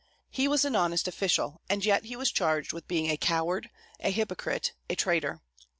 He was an honest official, and yet he was charged with being a coward, a hypocrite, a traitor.